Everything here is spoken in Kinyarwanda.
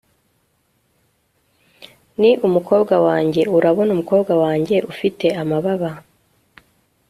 ni umukobwa wanjye urabona, umukobwa wanjye ufite amababa